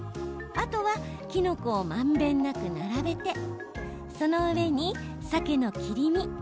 あとは、きのこをまんべんなく並べてその上にさけの切り身。